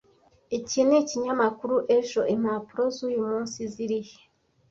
Iki nikinyamakuru ejo. Impapuro z'uyu munsi zirihe?